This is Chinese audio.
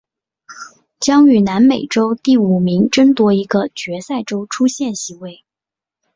将与南美洲第五名争夺一个决赛周出线席位。